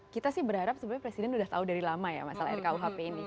kita sih berharap sebenarnya presiden sudah tahu dari lama ya masalah rkuhp ini